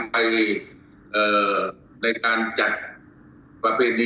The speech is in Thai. ขอบคุณทุกคน